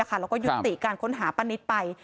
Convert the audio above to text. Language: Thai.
แล้วก็ยุติการค้นหาป้านิตไป